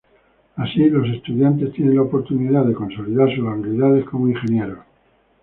Así, los estudiantes tienen la oportunidad de consolidar sus habilidades como ingenieros.